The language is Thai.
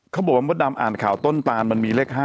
เขาบอกว่ามดดำอ่านข่าวต้นตานมันมีเลข๕